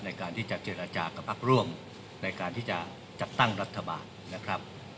ในการที่จะเจรจากับพักร่วมในการที่จะจัดตั้งรัฐบาลนะครับ